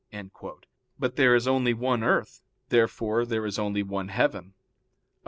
But there is only one earth. Therefore there is only one heaven. Obj.